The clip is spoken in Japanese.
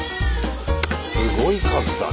すごい数だね。